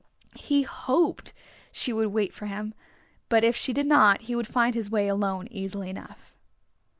He hoped she would wait for him, but if she did not he would find his way alone easily enough.